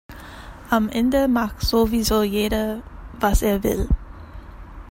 Am Ende macht sowieso jeder, was er will.